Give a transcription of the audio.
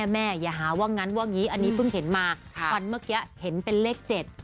อย่าหาว่างั้นว่างี้อันนี้เพิ่งเห็นมาควันเมื่อกี้เห็นเป็นเลข๗